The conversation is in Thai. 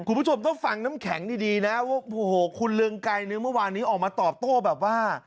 คุณผู้ชมต้องฟังน้ำแข็งดีดีนะว่าโอ้โหคุณเรืองไกรเนี่ยเมื่อวานนี้ออกมาตอบโต้แบบว่า